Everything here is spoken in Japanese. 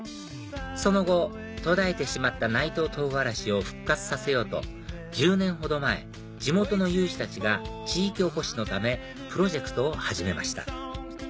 その後途絶えてしまった内藤とうがらしを復活させようと１０年ほど前地元の有志たちが地域おこしのためプロジェクトを始めました